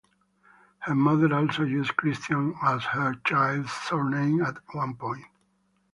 Her mother also used Christian as her child's surname at one point.